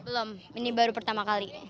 belum ini baru pertama kali